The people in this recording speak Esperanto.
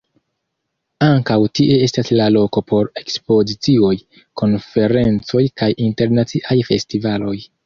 Ankaŭ tie estas la loko por ekspozicioj, konferencoj kaj internaciaj festivaloj.